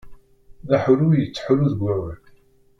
D aḥullu i yettḥullu deg wawal.